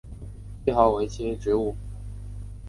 奇蒿为菊科蒿属的植物。